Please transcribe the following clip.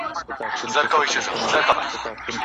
ذخیرې مي کړلې ډیري شین زمری پر جنګېدمه